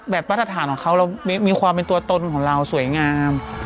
แบบปรัฐฐานของเค้ามีความเป็นตัวตนของเราสวยงาม